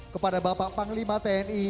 kepada bapak panglima tni